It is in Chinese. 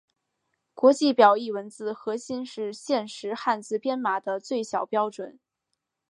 国际表意文字核心是现时汉字编码的最小标准。